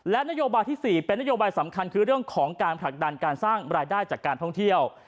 และนโยบายที่๔เป็นนโยบายสำคัญคือเรื่องของการผลักดันการสร้างรายได้จากการท่องเที่ยว